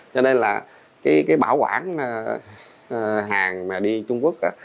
cho nên là cái bảo quản hàng mà đi trung quốc á